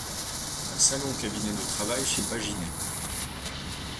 Un salon-cabinet de travail chez Paginet.